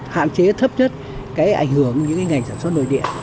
hạn chế thấp nhất cái ảnh hưởng những cái ngành sản xuất nội địa